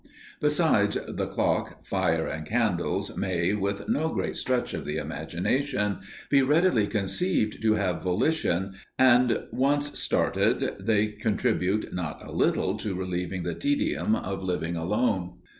Besides, the clock, fire and candles may, with no great stretch of the imagination, be readily conceived to have volition, and, once started, they contribute not a little to relieving the tedium of living alone.